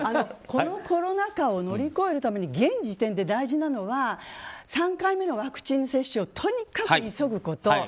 このコロナ禍を乗り越えるために現時点で大事なのは３回目のワクチン接種をとにかく急ぐこと。